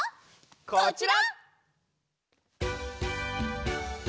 こちら！